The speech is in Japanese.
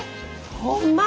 ホンマ！？